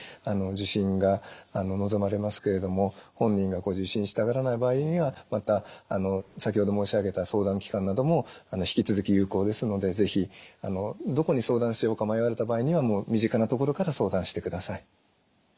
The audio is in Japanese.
受診が望まれますけれども本人が受診したがらない場合にはまた先ほど申し上げた相談機関なども引き続き有効ですので是非どこに相談しようか迷われた場合にはもう身近なところから相談してください。